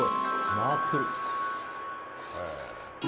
回っている。